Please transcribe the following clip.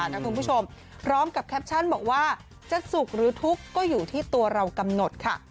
คุณผู้ชมพร้อมกับแคปชั่นบอกว่าจะสุขหรือทุกข์ก็อยู่ที่ตัวเรากำหนดค่ะ